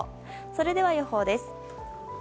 それでは予報です。